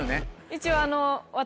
一応。